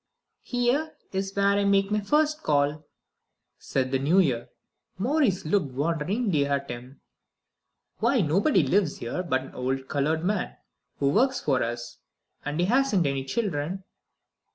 "Here is where I make my first call," said the New Year. Maurice looked wonderingly at him. "Why, nobody lives here but an old colored man who works for us; and he hasn't any children!"